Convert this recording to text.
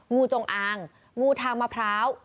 งูจงอางงูทางมะพร้าว